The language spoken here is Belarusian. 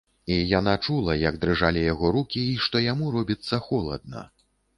І яна чула, як дрыжалі яго рукі і што яму робіцца холадна.